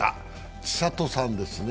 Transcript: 千怜さんですね。